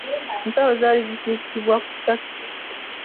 Ensawo zaali zitikkibwa ku takisi.